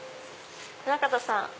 宗形さん